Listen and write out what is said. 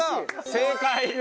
正解！